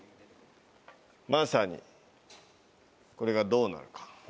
まさにこれがどうなるか。